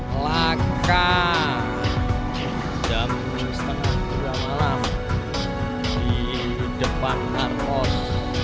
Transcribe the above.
hai laka jam setengah malam di depan argos